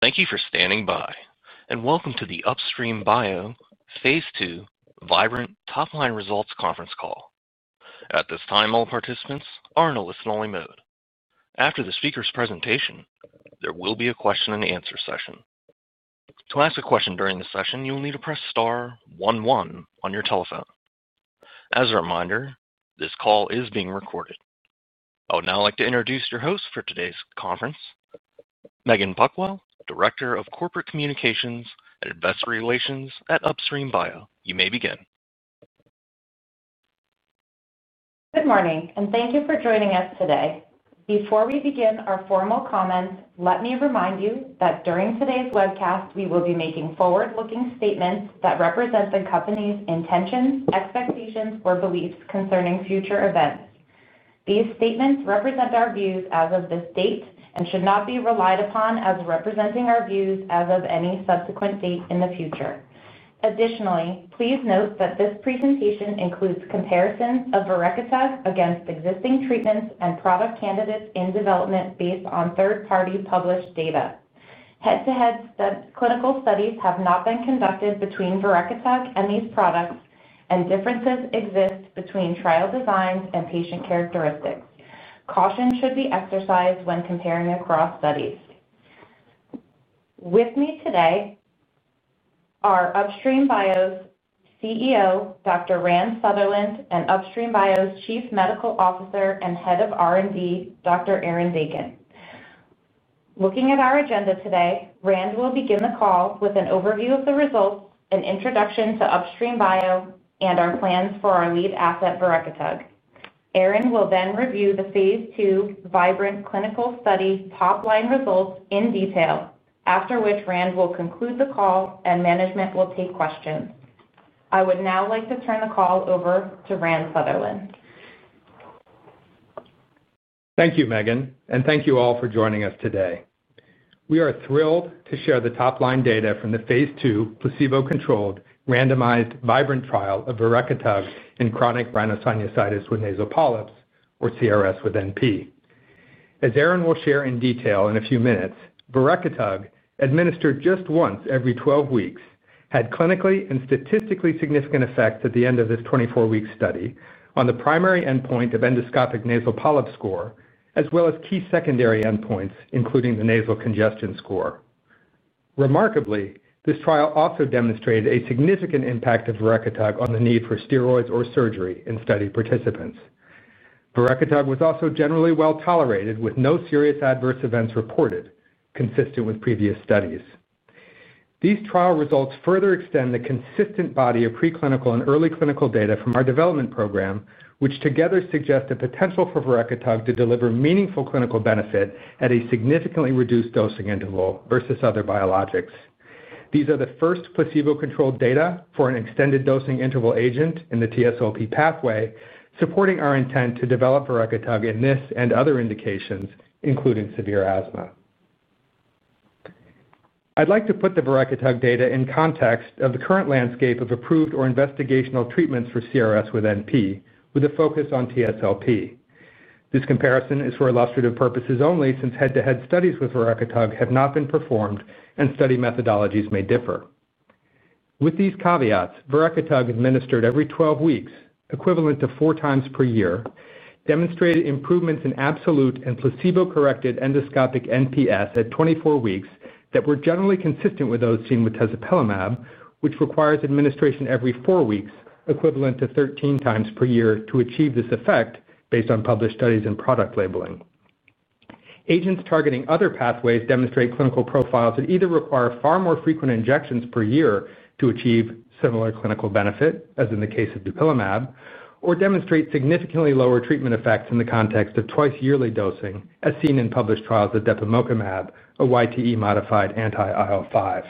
Thank you for standing by and welcome to the Upstream Bio phase II VIBRANT Top-Line Results Conference Call. At this time, all participants are in a listen-only mode. After the speaker's presentation, there will be a question and answer session. To ask a question during the session, you will need to press star one one on your telephone. As a reminder, this call is being recorded. I would now like to introduce your host for today's conference, Meggan Buckwell, Director of Corporate Communications and Investor Relations at Upstream Bio. You may begin. Good morning and thank you for joining us today. Before we begin our formal comments, let me remind you that during today's webcast, we will be making forward-looking statements that represent the company's intentions, expectations, or beliefs concerning future events. These statements represent our views as of this date and should not be relied upon as representing our views as of any subsequent date in the future. Additionally, please note that this presentation includes comparisons of verekitug against existing treatments and product candidates in development based on third-party published data. Head-to-head clinical studies have not been conducted between verekitug and these products, and differences exist between trial designs and patient characteristics. Caution should be exercised when comparing across studies. With me today are Upstream Bio's CEO, Dr. Rand Sutherland, and Upstream Bio's Chief Medical Officer and Head of R&D, Dr. Aaron Deykin. Looking at our agenda today, Rand will begin the call with an overview of the results, an introduction to Upstream Bio, and our plans for our lead asset, verekitug. Aaron will then review the Phase II VIBRANT clinical study top-line results in detail, after which Rand will conclude the call and management will take questions. I would now like to turn the call over to Rand Sutherland. Thank you, Meggan, and thank you all for joining us today. We are thrilled to share the top-line data from the Phase II placebo-controlled randomized VIBRANT Trial of verekitug in chronic rhinosinusitis with nasal polyps, or CRS with NP. As Aaron will share in detail in a few minutes, verekitug, administered just once every 12 weeks, had clinically and statistically significant effects at the end of this 24-week study on the primary endpoint of endoscopic nasal polyp score, as well as key secondary endpoints, including the nasal congestion score. Remarkably, this trial also demonstrated a significant impact of verekitug on the need for steroids or surgery in study participants. V erekitug was also generally well tolerated, with no serious adverse events reported, consistent with previous studies. These trial results further extend the consistent body of preclinical and early clinical data from our development program, which together suggest the potential for verekitug to deliver meaningful clinical benefit at a significantly reduced dosing interval versus other biologics. These are the first placebo-controlled data for an extended dosing interval agent in the TSLP pathway, supporting our intent to develop verekitug in this and other indications, including severe asthma. I'd like to put the verekitug data in context of the current landscape of approved or investigational treatments for CRS with NP, with a focus on TSLP. This comparison is for illustrative purposes only, since head-to-head studies with verekitug have not been performed and study methodologies may differ. With these caveats, verekitug administered every 12 weeks, equivalent to four times per year, demonstrated improvements in absolute and placebo-corrected endoscopic NPS at 24 weeks that were generally consistent with those seen with tezepelumab, which requires administration every four weeks, equivalent to 13x per year, to achieve this effect based on published studies and product labeling. Agents targeting other pathways demonstrate clinical profiles that either require far more frequent injections per year to achieve similar clinical benefit, as in the case of dupilumab, or demonstrate significantly lower treatment effects in the context of twice-yearly dosing, as seen in published trials of depemokimab, a YTE-modified anti-IL-5.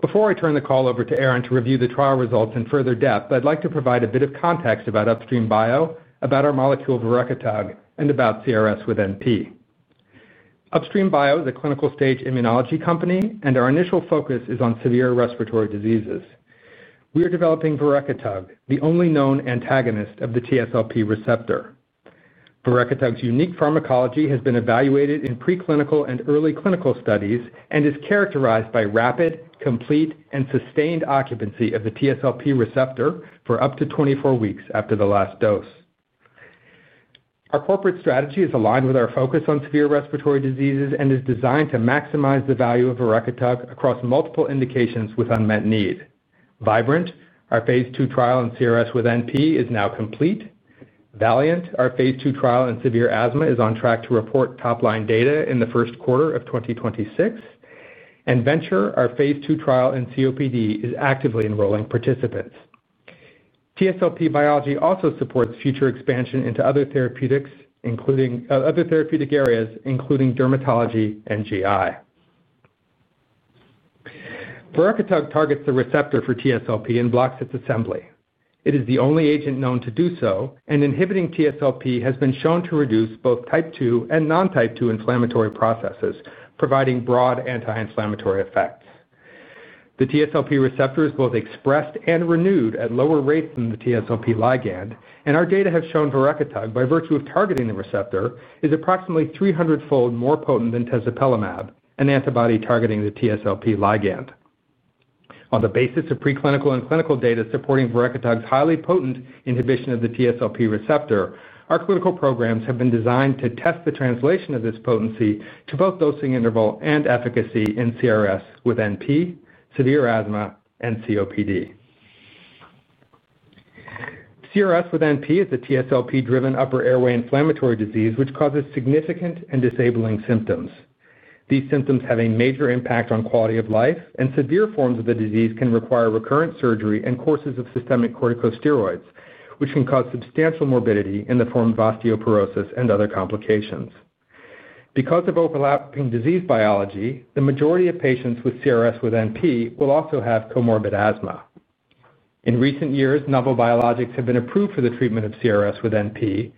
Before I turn the call over to Aaron to review the trial results in further depth, I'd like to provide a bit of context about Upstream Bio, about our molecule verekitug, and about CRS with NP. Upstream Bio is a clinical-stage immunology company, and our initial focus is on severe respiratory diseases. We are developing verekitug, the only known antagonist of the TSLP receptor. V erekitug 's unique pharmacology has been evaluated in preclinical and early clinical studies and is characterized by rapid, complete, and sustained occupancy of the TSLP receptor for up to 24 weeks after the last dose. Our corporate strategy is aligned with our focus on severe respiratory diseases and is designed to maximize the value of verekitug across multiple indications with unmet need. VIBRANT, our phase II trial in CRS with NP, is now complete. VALIANT, our Phase II trial in severe asthma, is on track to report top-line data in the first quarter of 2026. VENTURE, our Phase Two trial in COPD, is actively enrolling participants. TSLP biology also supports future expansion into other therapeutic areas, including dermatology and GI. V erekitug targets the receptor for TSLP and blocks its assembly. It is the only agent known to do so, and inhibiting TSLP has been shown to reduce both type 2 and non-type 2 inflammatory processes, providing broad anti-inflammatory effects. The TSLP receptor is both expressed and renewed at lower rates than the TSLP ligand, and our data have shown verekitug by virtue of targeting the receptor, is approximately 300-fold more potent than tezepelumab, an antibody targeting the TSLP ligand. On the basis of preclinical and clinical data supporting verekitug 's highly potent inhibition of the TSLP receptor, our clinical programs have been designed to test the translation of this potency to both dosing interval and efficacy in CRS with NP, severe asthma, and COPD. CRS with NP is a TSLP-driven upper airway inflammatory disease, which causes significant and disabling symptoms. These symptoms have a major impact on quality of life, and severe forms of the disease can require recurrent surgery and courses of systemic corticosteroids, which can cause substantial morbidity in the form of osteoporosis and other complications. Because of overlapping disease biology, the majority of patients with CRS with NP will also have comorbid asthma. In recent years, novel biologics have been approved for the treatment of CRS with NP,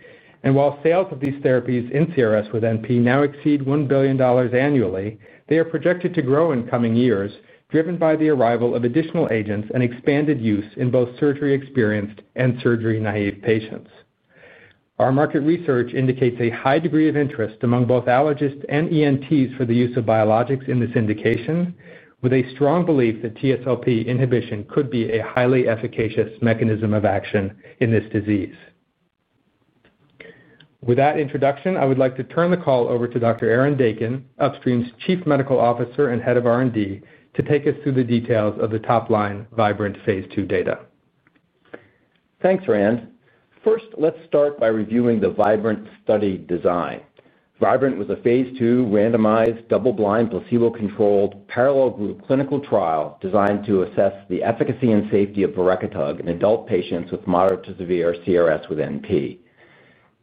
and while sales of these therapies in CRS with NP now exceed $1 billion annually, they are projected to grow in coming years, driven by the arrival of additional agents and expanded use in both surgery-experienced and surgery-naive patients. Our market research indicates a high degree of interest among both allergists and ENTs for the use of biologics in this indication, with a strong belief that TSLP inhibition could be a highly efficacious mechanism of action in this disease. With that introduction, I would like to turn the call over to Dr. Aaron Deykin, Upstream Bio's Chief Medical Officer and Head of R&D, to take us through the details of the top-line VIBRANT p hase II data. Thanks, Rand. First, let's start by reviewing the VIBRANT study design. VIBRANT was a phase II randomized, double-blind, placebo-controlled, parallel group clinical trial designed to assess the efficacy and safety of verekitug in adult patients with moderate to severe CRS with NP.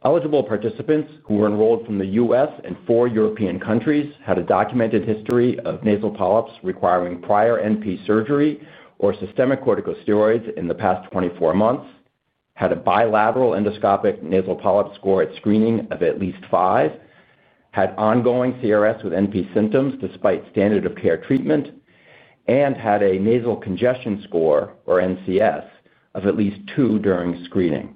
Eligible participants who were enrolled from the U.S. and four European countries had a documented history of nasal polyps requiring prior NP surgery or systemic corticosteroids in the past 24 months, had a bilateral endoscopic nasal polyp score at screening of at least five, had ongoing CRS with NP symptoms despite standard-of-care treatment, and had a nasal congestion score, or NCS, of at least two during screening.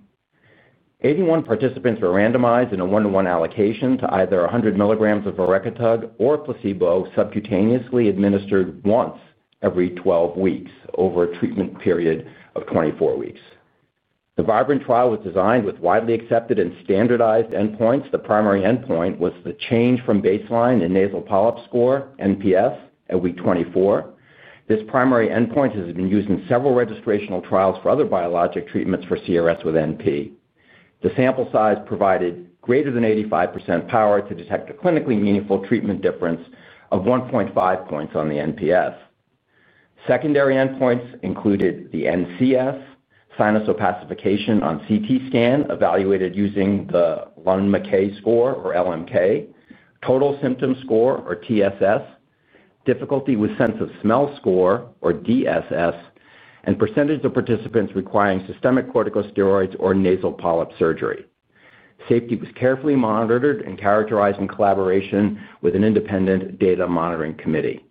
Eighty-one participants were randomized in a one-to-one allocation to either 100 mg of verekitug or placebo subcutaneously administered once every 12 weeks over a treatment period of 24 weeks. The VIBRANT trial was designed with widely accepted and standardized endpoints. The primary endpoint was the change from baseline in nasal polyp score, NPS, at week 24. This primary endpoint has been used in several registrational trials for other biologic treatments for CRS with NP. The sample size provided greater than 85% power to detect a clinically meaningful treatment difference of 1.5 points on the NPS. Secondary endpoints included the NCS, sinus opacification on CT scan evaluated using the Lund-Mackay score, or LMK, total symptom score, or TSS, difficulty with sense of smell score, or DSS, and percentage of participants requiring systemic corticosteroids or nasal polyp surgery. Safety was carefully monitored and characterized in collaboration with an independent data monitoring committee.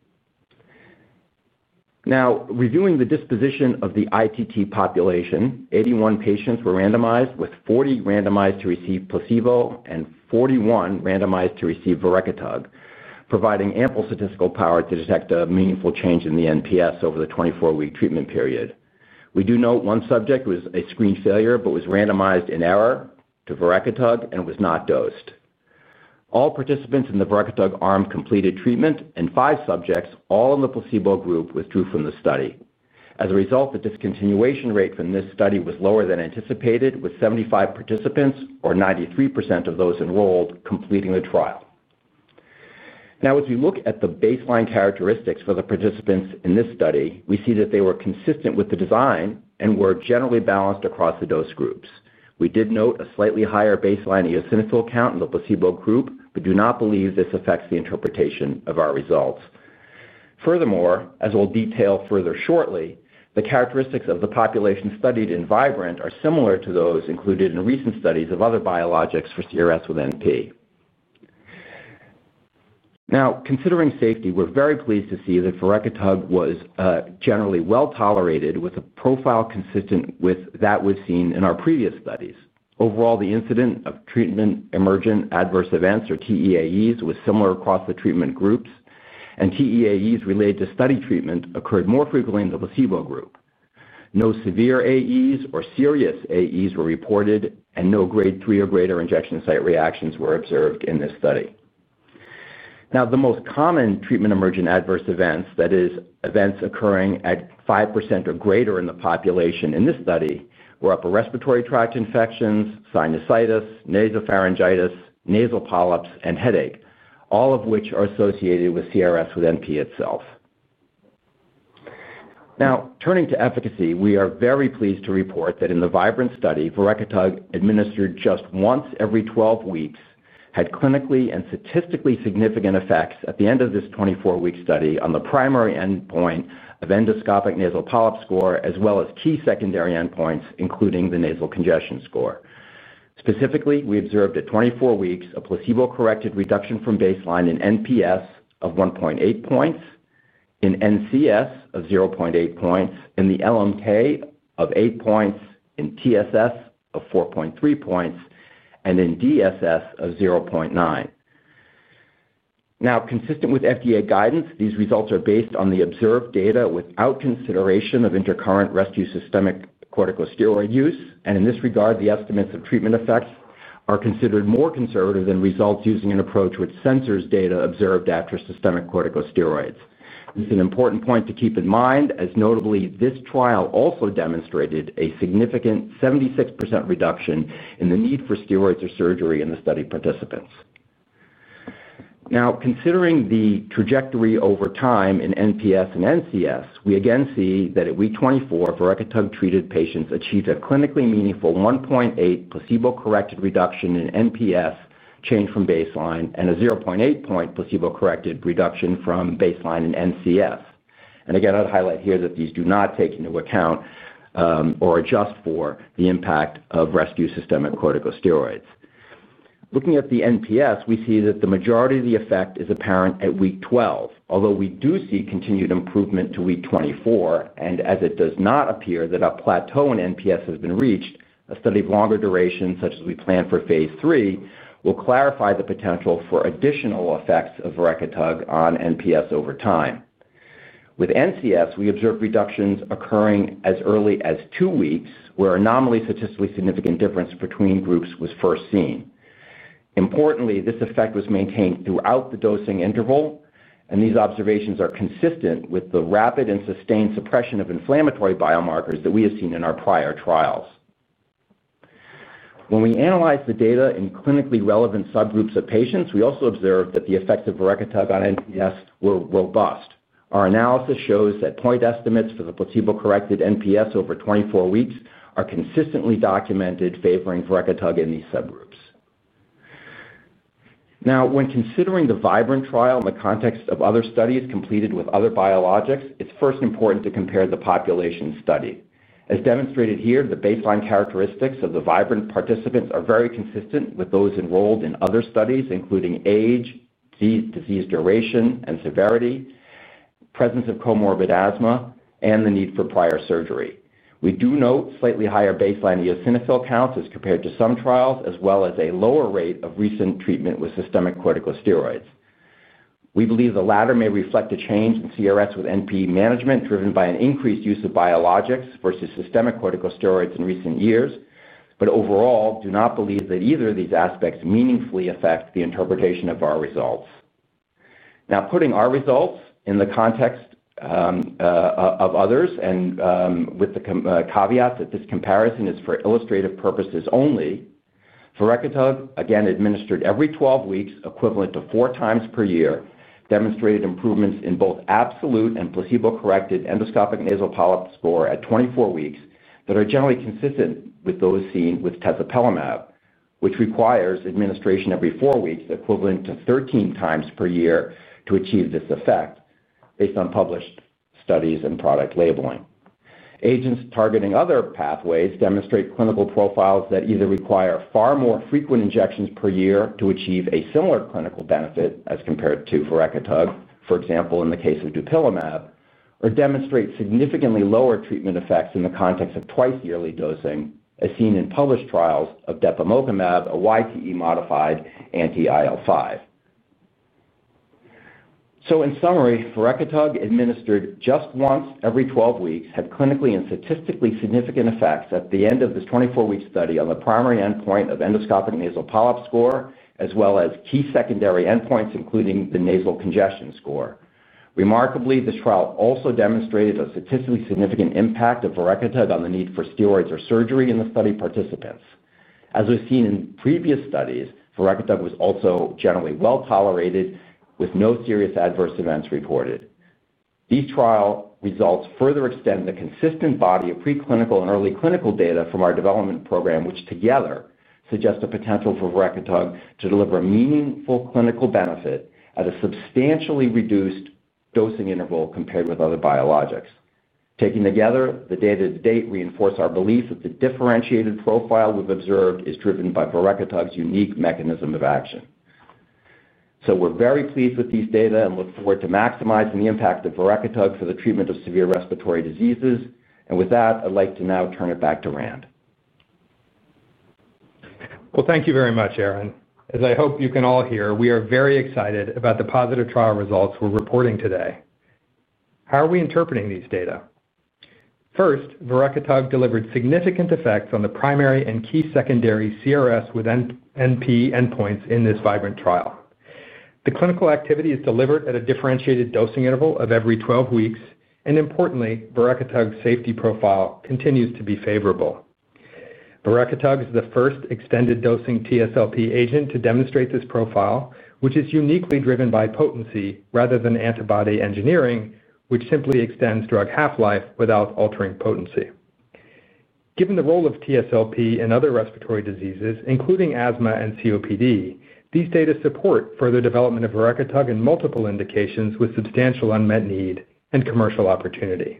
Now, reviewing the disposition of the ITT population, 81 patients were randomized, with 40 randomized to receive placebo and 41 randomized to receive verekitug, providing ample statistical power to detect a meaningful change in the NPS over the 24-week treatment period. We do note one subject was a screen failure but was randomized in error to verekitug and was not dosed. All participants in the verekitug arm completed treatment, and five subjects, all in the placebo group, withdrew from the study. As a result, the discontinuation rate from this study was lower than anticipated, with 75 participants, or 93% of those enrolled, completing the trial. Now, as we look at the baseline characteristics for the participants in this study, we see that they were consistent with the design and were generally balanced across the dose groups. We did note a slightly higher baseline eosinophil count in the placebo group, but do not believe this affects the interpretation of our results. Furthermore, as we'll detail further shortly, the characteristics of the population studied in VIBRANT are similar to those included in recent studies of other biologics for CRS with NP. Now, considering safety, we're very pleased to see that verekitug was generally well tolerated, with a profile consistent with that we've seen in our previous studies. Overall, the incidence of treatment emergent adverse events, or TEAEs, was similar across the treatment groups, and TEAEs related to study treatment occurred more frequently in the placebo group. No severe AEs or serious AEs were reported, and no Grade 3 or greater injection site reactions were observed in this study. Now, the most common treatment emergent adverse events, that is, events occurring at 5% or greater in the population in this study, were upper respiratory tract infections, sinusitis, nasopharyngitis, nasal polyps, and headache, all of which are associated with CRS with NP itself. Now, turning to efficacy, we are very pleased to report that in the VIBRANT study, verekitug administered just once every 12 weeks had clinically and statistically significant effects at the end of this 24-week study on the primary endpoint of endoscopic nasal polyp score, as well as key secondary endpoints, including the nasal congestion score. Specifically, we observed at 24 weeks a placebo-corrected reduction from baseline in NPS of 1.8 points, in NCS of 0.8 points, in the LMK of 8 points, in TSS of 4.3 points, and in DSS of 0.9. Now, consistent with FDA guidance, these results are based on the observed data without consideration of intercurrent rescue systemic corticosteroid use, and in this regard, the estimates of treatment effects are considered more conservative than results using an approach which censors data observed after systemic corticosteroids. It's an important point to keep in mind, as notably, this trial also demonstrated a significant 76% reduction in the need for steroids or surgery in the study participants. Now, considering the trajectory over time in NPS and NCS, we again see that at week 24, verekitug -treated patients achieved a clinically meaningful 1.8 placebo-corrected reduction in NPS change from baseline and a 0.8 placebo-corrected reduction from baseline in NCS. I'd highlight here that these do not take into account or adjust for the impact of rescue systemic corticosteroids. Looking at the NPS, we see that the majority of the effect is apparent at week 12, although we do see continued improvement to week 24, and as it does not appear that a plateau in NPS has been reached, a study of longer duration, such as we plan for phase III , will clarify the potential for additional effects of verekitug on NPS over time. With NCS, we observed reductions occurring as early as two weeks, where a statistically significant difference between groups was first seen. Importantly, this effect was maintained throughout the dosing interval, and these observations are consistent with the rapid and sustained suppression of inflammatory biomarkers that we have seen in our prior trials. When we analyzed the data in clinically relevant subgroups of patients, we also observed that the effects of verekitug on NPS were robust. Our analysis shows that point estimates for the placebo-corrected NPS over 24 weeks are consistently documented, favoring verekitug in these subgroups. Now, when considering the VIBRANT trial in the context of other studies completed with other biologics, it's first important to compare the population studied. As demonstrated here, the baseline characteristics of the VIBRANT participants are very consistent with those enrolled in other studies, including age, disease duration and severity, presence of comorbid asthma, and the need for prior surgery. We do note slightly higher baseline eosinophil counts as compared to some trials, as well as a lower rate of recent treatment with systemic corticosteroids. We believe the latter may reflect a change in CRS with NP management driven by an increased use of biologics versus systemic corticosteroids in recent years, but overall do not believe that either of these aspects meaningfully affect the interpretation of our results. Now, putting our results in the context of others and with the caveat that this comparison is for illustrative purposes only, verekitug, again administered every 12 weeks, equivalent to four times per year, demonstrated improvements in both absolute and placebo-corrected endoscopic nasal polyp score at 24 weeks that are generally consistent with those seen with tezepelumab, which requires administration every four weeks, equivalent to 13x per year, to achieve this effect based on published studies and product labeling. Agents targeting other pathways demonstrate clinical profiles that either require far more frequent injections per year to achieve a similar clinical benefit as compared to verekitug, for example, in the case of dupilumab, or demonstrate significantly lower treatment effects in the context of twice-yearly dosing, as seen in published trials of depemokimab, a YTE-modified anti-IL-5. In summary, verekitug administered just once every 12 weeks had clinically and statistically significant effects at the end of this 24-week study on the primary endpoint of endoscopic nasal polyp score, as well as key secondary endpoints, including the nasal congestion score. Remarkably, this trial also demonstrated a statistically significant impact of verekitug on the need for steroids or surgery in the study participants. As we've seen in previous studies, verekitug was also generally well tolerated, with no serious adverse events reported. These trial results further extend the consistent body of preclinical and early clinical data from our development program, which together suggest a potential for verekitug to deliver meaningful clinical benefit at a substantially reduced dosing interval compared with other biologics. Taken together, the data to date reinforce our belief that the differentiated profile we've observed is driven by verekitug 's unique mechanism of action. We are very pleased with these data and look forward to maximizing the impact of verekitug for the treatment of severe respiratory diseases. With that, I'd like to now turn it back to Rand. Thank you very much, Aaron. As I hope you can all hear, we are very excited about the positive trial results we're reporting today. How are we interpreting these data? First, verekitug delivered significant effects on the primary and key secondary CRS with NP endpoints in this VIBRANT trial. The clinical activity is delivered at a differentiated dosing interval of every 12 weeks, and importantly, verekitug ' s safety profile continues to be favorable. V erekitug is the first extended dosing TSLP agent to demonstrate this profile, which is uniquely driven by potency rather than antibody engineering, which simply extends drug half-life without altering potency. Given the role of TSLP in other respiratory diseases, including asthma and COPD, these data support further development of verekitug in multiple indications with substantial unmet need and commercial opportunity.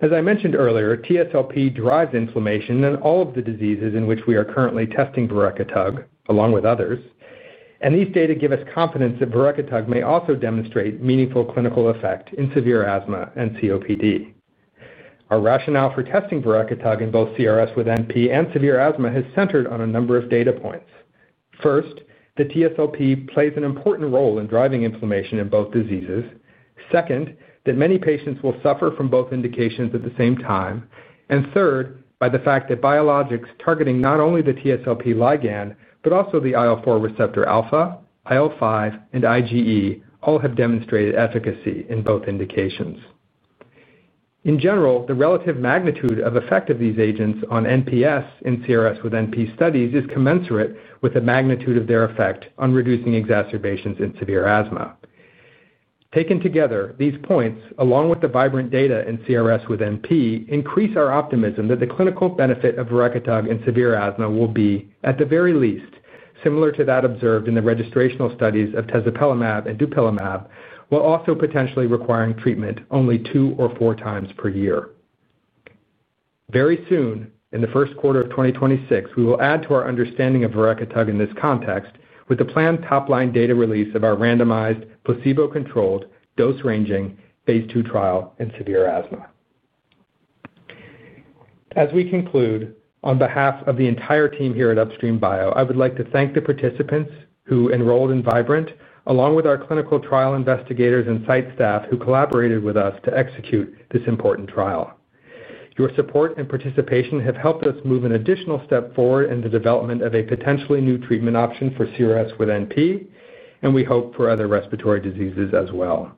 As I mentioned earlier, TSLP drives inflammation in all of the diseases in which we are currently testing verekitug, along with others, and these data give us confidence that verekitug may also demonstrate meaningful clinical effect in severe asthma and COPD. Our rationale for testing verekitug in both CRS with NP and severe asthma has centered on a number of data points. First, that TSLP plays an important role in driving inflammation in both diseases. Second, that many patients will suffer from both indications at the same time. Third, by the fact that biologics targeting not only the TSLP ligand but also the IL-4 receptor alpha, IL-5, and IgE all have demonstrated efficacy in both indications. In general, the relative magnitude of effect of these agents on NPS in CRS with NP studies is commensurate with the magnitude of their effect on reducing exacerbations in severe asthma. Taken together, these points, along with the VIBRANT data in CRS with NP, increase our optimism that the clinical benefit of verekitug in severe asthma will be, at the very least, similar to that observed in the registrational studies of tezepelumab and dupilumab, while also potentially requiring treatment only 2x or 4x per year. Very soon, in the first quarter of 2026, we will add to our understanding of verekitug in this context with the planned top-line data release of our randomized, placebo-controlled, dose-ranging phase II trial in severe asthma. As we conclude, on behalf of the entire team here at Upstream Bio, I would like to thank the participants who enrolled in VIBRANT , along with our clinical trial investigators and site staff who collaborated with us to execute this important trial. Your support and participation have helped us move an additional step forward in the development of a potentially new treatment option for CRS with NP, and we hope for other respiratory diseases as well.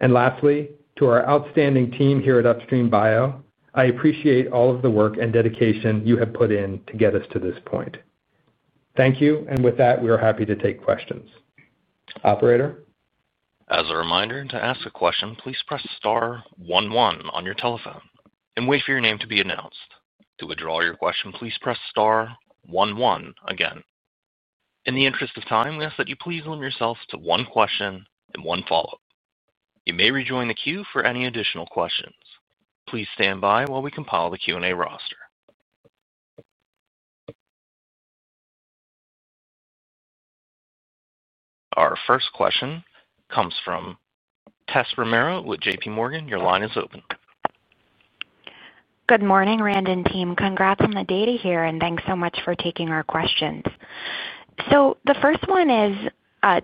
Lastly, to our outstanding team here at Upstream Bio, I appreciate all of the work and dedication you have put in to get us to this point. Thank you, and with that, we are happy to take questions. Operator? As a reminder, to ask a question, please press star one one on your telephone and wait for your name to be announced. To withdraw your question, please press star one one again. In the interest of time, we ask that you please limit yourself to one question and one follow-up. You may rejoin the queue for any additional questions. Please stand by while we compile the Q&A roster. Our first question comes from Tess Romero with JPMorgan. Your line is open. Good morning, Rand and team. Congrats on the data here, and thanks so much for taking our questions. The first one is,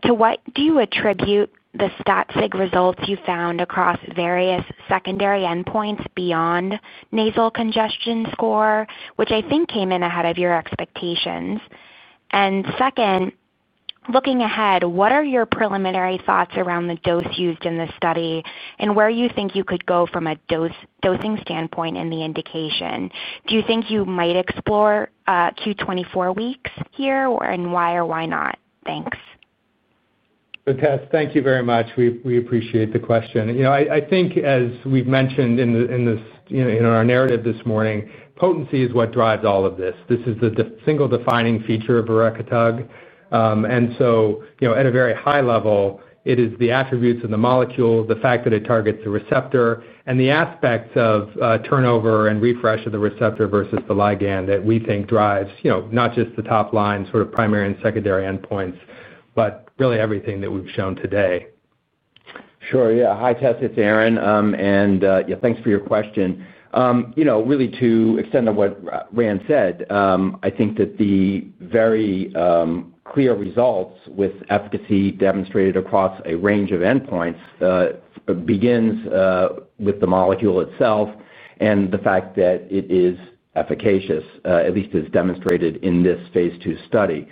to what do you attribute the stat-fig results you found across various secondary endpoints beyond nasal congestion score, which I think came in ahead of your expectations? Second, looking ahead, what are your preliminary thoughts around the dose used in this study and where you think you could go from a dosing standpoint in the indication? Do you think you might explore Q-24 weeks here, and why or why not? Thanks. Thank you very much. We appreciate the question. I think, as we've mentioned in our narrative this morning, potency is what drives all of this. This is the single defining feature of verekitug. At a very high level, it is the attributes of the molecule, the fact that it targets the receptor, and the aspects of turnover and refresh of the receptor versus the ligand that we think drive not just the top-line sort of primary and secondary endpoints, but really everything that we've shown today. Sure, yeah. Hi, Tess. It's Aaron, and yeah, thanks for your question. You know, really, to extend on what Rand said, I think that the very clear results with efficacy demonstrated across a range of endpoints begins with the molecule itself and the fact that it is efficacious, at least as demonstrated in this phase II study.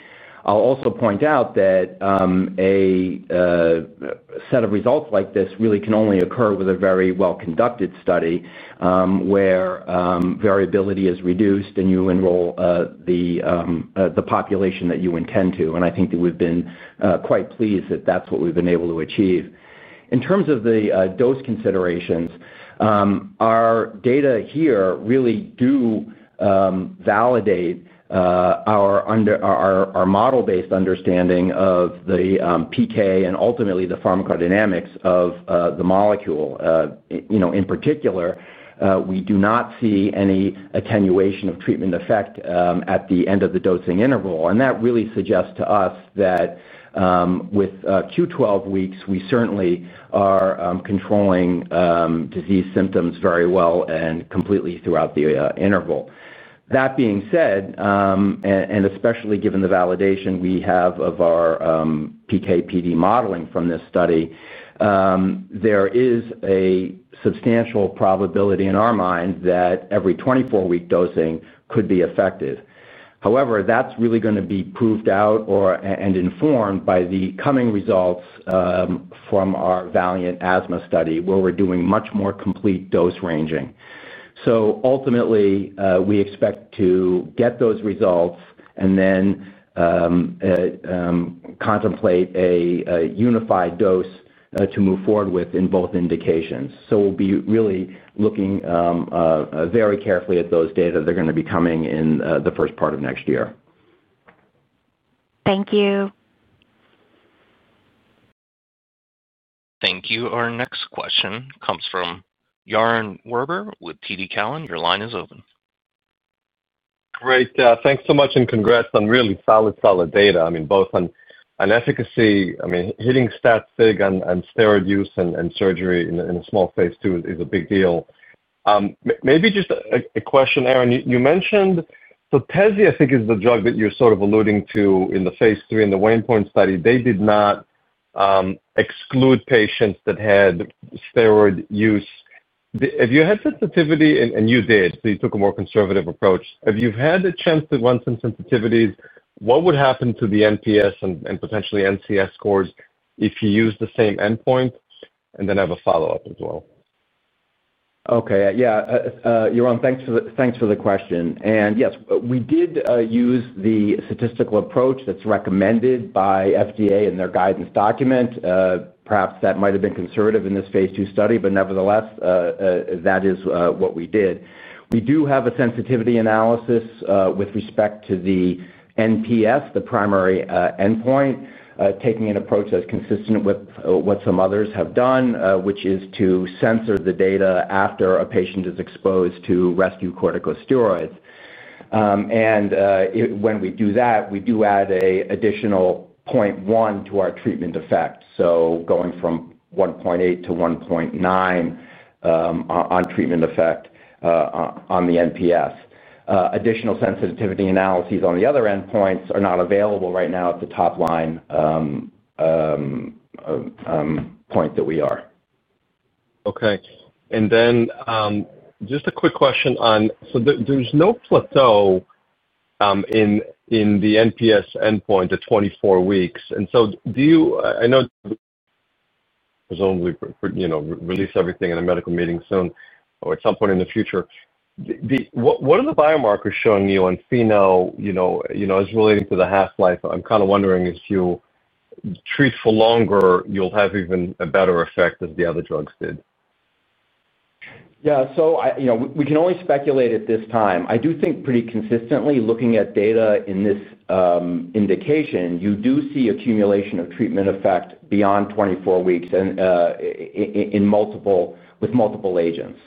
I'll also point out that a set of results like this really can only occur with a very well-conducted study where variability is reduced and you enroll the population that you intend to, and I think that we've been quite pleased that that's what we've been able to achieve. In terms of the dose considerations, our data here really do validate our model-based understanding of the PK and ultimately the pharmacodynamics of the molecule. In particular, we do not see any attenuation of treatment effect at the end of the dosing interval, and that really suggests to us that with Q-12 weeks, we certainly are controlling disease symptoms very well and completely throughout the interval. That being said, and especially given the validation we have of our PK/PD modeling from this study, there is a substantial probability in our mind that every 24-week dosing could be effective. However, that's really going to be proved out and informed by the coming results from our VALIANT asthma study, where we're doing much more complete dose ranging. Ultimately, we expect to get those results and then contemplate a unified dose to move forward with in both indications. We'll be really looking very carefully at those data. They're going to be coming in the first part of next year. Thank you. Thank you. Our next question comes from Yaron Werber with TD Cowen. Your line is open. Great. Thanks so much and congrats on really solid, solid data. I mean, both on efficacy, I mean, hitting stat-fig on steroid use and surgery in a small phase II is a big deal. Maybe just a question, Aaron. You mentioned, so tezepelumab, I think, is the drug that you're sort of alluding to in the phase III in the Wayne Point study. They did not exclude patients that had steroid use. Have you had sensitivity? You did, so you took a more conservative approach. Have you had a chance to run some sensitivities? What would happen to the endoscopic NPS and potentially NCS if you use the same endpoint and then have a follow-up as well? Okay, yeah. Yaron, thanks for the question. Yes, we did use the statistical approach that's recommended by FDA in their guidance document. Perhaps that might have been conservative in this phase II study, but nevertheless, that is what we did. We do have a sensitivity analysis with respect to the NPS, the primary endpoint, taking an approach that's consistent with what some others have done, which is to censor the data after a patient is exposed to rescue corticosteroids. When we do that, we do add an additional 0.1 to our treatment effect, going from 1.8 to 1.9 on treatment effect on the NPS. Additional sensitivity analyses on the other endpoints are not available right now at the top-line point that we are. Okay. Just a quick question on, there's no plateau in the endoscopic nasal polyp score endpoint at 24 weeks. Do you, I know presumably, release everything in a medical meeting soon or at some point in the future. What are the biomarkers showing you on FENO, as relating to the half-life? I'm kind of wondering if you treat for longer, you'll have even a better effect than the other drugs did. Yeah, so I, you know, we can only speculate at this time. I do think pretty consistently, looking at data in this indication, you do see accumulation of treatment effect beyond 24 weeks and in multiple, with multiple agents.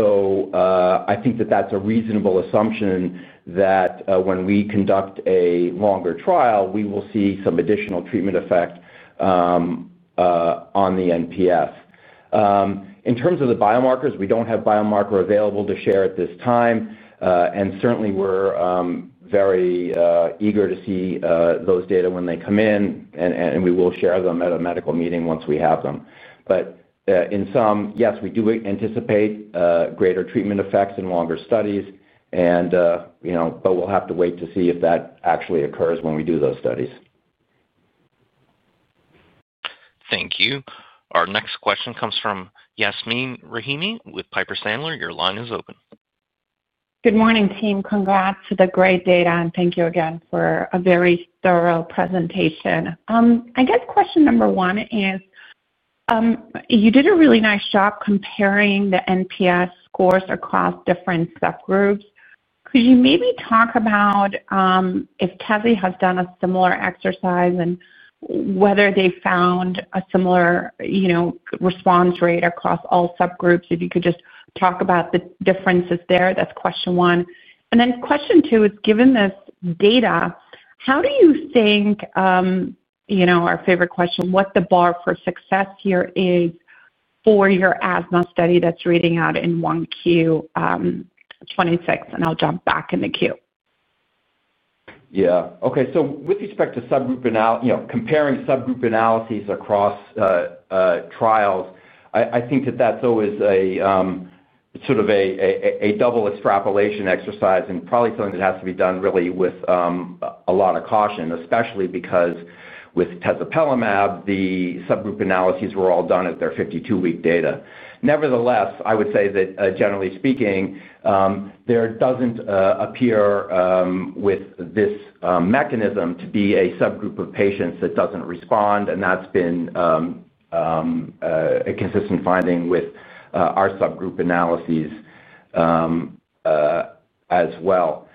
I think that that's a reasonable assumption that when we conduct a longer trial, we will see some additional treatment effect on the NPS. In terms of the biomarkers, we don't have a biomarker available to share at this time, and certainly, we're very eager to see those data when they come in, and we will share them at a medical meeting once we have them. In sum, yes, we do anticipate greater treatment effects in longer studies, and you know, we'll have to wait to see if that actually occurs when we do those studies. Thank you. Our next question comes from Yasmeen Rahimi with Piper Sandler. Your line is open. Good morning, team. Congrats to the great data, and thank you again for a very thorough presentation. I guess question number one is, you did a really nice job comparing the NPS scores across different subgroups. Could you maybe talk about if tezspire has done a similar exercise and whether they found a similar, you know, response rate across all subgroups? If you could just talk about the differences there, that's question one. Then question two is, given this data, how do you think, you know, our favorite question, what the bar for success here is for your asthma study that's reading out in Q1 2026, and I'll jump back in the queue. Yeah, okay. With respect to subgroup, you know, comparing subgroup analyses across trials, I think that's always a sort of a double extrapolation exercise and probably something that has to be done really with a lot of caution, especially because with tezepelumab, the subgroup analyses were all done at their 52-week data. Nevertheless, I would say that generally speaking, there doesn't appear with this mechanism to be a subgroup of patients that doesn't respond, and that's been a consistent finding with our subgroup analyses as well.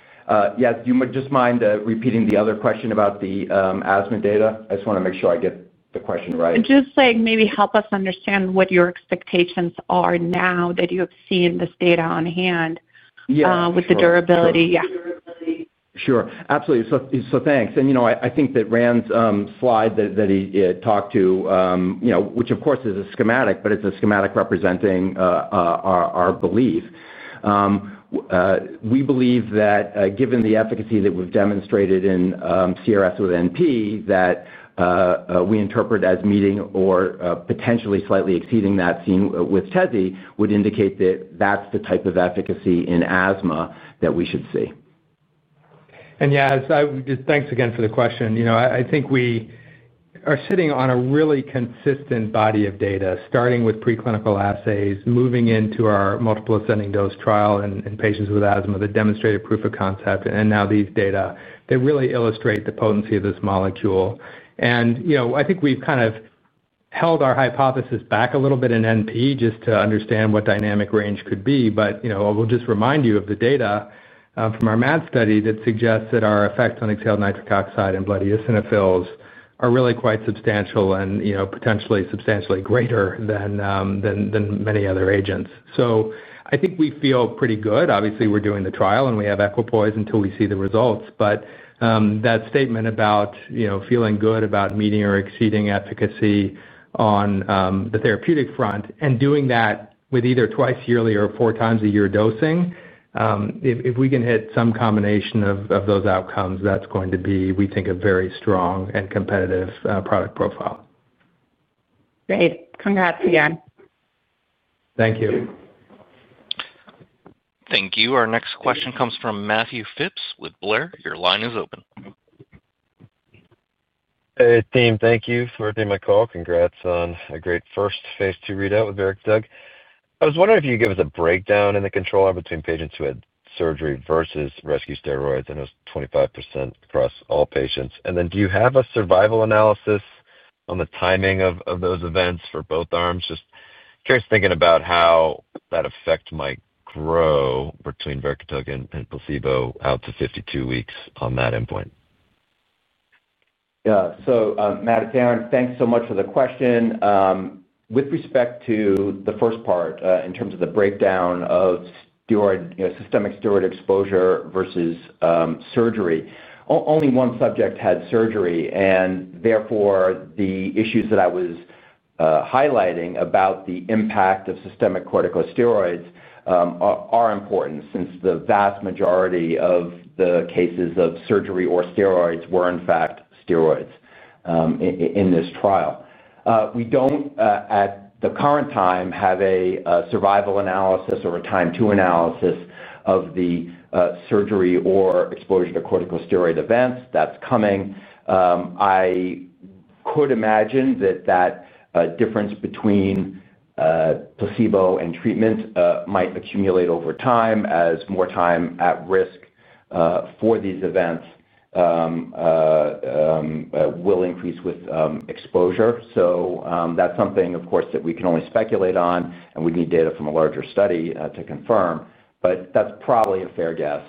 Yes, do you just mind repeating the other question about the asthma data? I just want to make sure I get the question right. Just like maybe help us understand what your expectations are now that you have seen this data on hand. With the durability, yeah. Sure, absolutely. Thanks. I think that Rand's slide that he talked to, which of course is a schematic, but it's a schematic representing our belief. We believe that given the efficacy that we've demonstrated in CRS with NP, that we interpret as meeting or potentially slightly exceeding that seen with tezspire would indicate that that's the type of efficacy in asthma that we should see. Thank you again for the question. I think we are sitting on a really consistent body of data, starting with preclinical assays, moving into our multiple ascending dose trial in patients with asthma that demonstrated proof of concept, and now these data really illustrate the potency of this molecule. I think we've kind of held our hypothesis back a little bit in NP just to understand what dynamic range could be, but I'll just remind you of the data from our MAD study that suggests that our effects on exhaled nitric oxide and blood eosinophils are really quite substantial and potentially substantially greater than many other agents. I think we feel pretty good. Obviously, we're doing the trial and we have equipoise until we see the results, but that statement about feeling good about meeting or exceeding efficacy on the therapeutic front and doing that with either twice yearly or four times a year dosing, if we can hit some combination of those outcomes, that's going to be, we think, a very strong and competitive product profile. Great. Congrats. Thank you. Thank you. Our next question comes from Matthew Fitz with Blair. Your line is open. Hey, team. Thank you for taking my call. Congrats on a great first phase II readout with verekitug. I was wondering if you could give us a breakdown in the control arm between patients who had surgery versus rescue steroids, and it was 25% across all patients. Do you have a survival analysis on the timing of those events for both arms? Just curious thinking about how that effect might grow between verekitug and placebo out to 52 weeks on that endpoint. Yeah, Matt, Aaron, thanks so much for the question. With respect to the first part, in terms of the breakdown of steroid, you know, systemic steroid exposure versus surgery, only one subject had surgery, and therefore the issues that I was highlighting about the impact of systemic corticosteroids are important, since the vast majority of the cases of surgery or steroids were, in fact, steroids in this trial. We don't, at the current time, have a survival analysis or a time-to analysis of the surgery or exposure to corticosteroid events. That's coming. I could imagine that the difference between placebo and treatment might accumulate over time, as more time at risk for these events will increase with exposure. That's something, of course, that we can only speculate on, and we'd need data from a larger study to confirm, but that's probably a fair guess.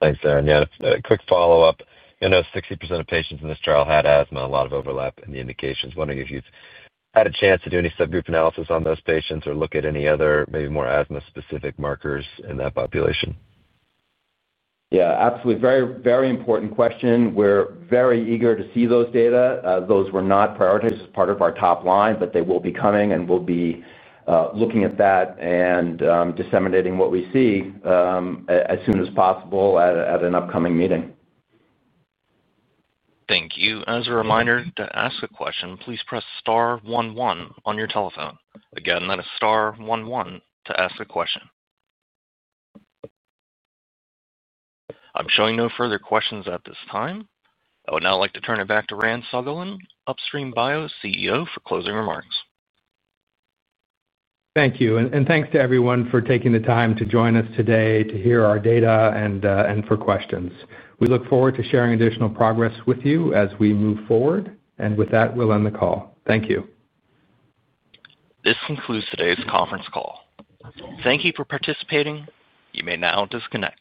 Thanks, Aaron. Yeah, quick follow-up. You know, 60% of patients in this trial had asthma and a lot of overlap in the indications. Wondering if you've had a chance to do any subgroup analysis on those patients or look at any other maybe more asthma-specific markers in that population. Yeah, absolutely. Very, very important question. We're very eager to see those data. Those were not prioritized as part of our top line, but they will be coming, and we'll be looking at that and disseminating what we see as soon as possible at an upcoming meeting. Thank you. As a reminder, to ask a question, please press star one one on your telephone. Again, that is star one one to ask a question. I'm showing no further questions at this time. I would now like to turn it back to Rand Sutherland, Upstream Bio's CEO, for closing remarks. Thank you, and thanks to everyone for taking the time to join us today to hear our data and for questions. We look forward to sharing additional progress with you as we move forward, and with that, we'll end the call. Thank you. This concludes today's conference call. Thank you for participating. You may now disconnect.